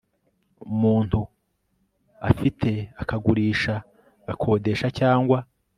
muntu afite akagurisha agakodesha cyangwa